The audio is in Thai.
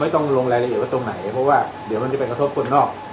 ต้องลงรายละเอียดว่าตรงไหนเพราะว่าเดี๋ยวมันจะไปกระทบคนนอก